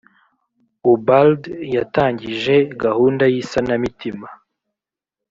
ubald yatangije gahunda y isanamitima